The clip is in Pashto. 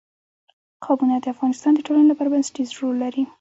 قومونه د افغانستان د ټولنې لپاره بنسټيز رول لري.